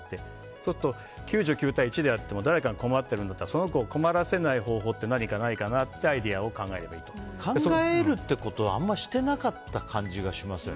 そうすると、９９対１であっても誰かが困っているのであればその子を困らせない方法って何かないかなっていう考えるってことを、あまりしてなかった感じがしますよね。